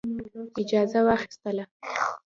اجازه واخیستله.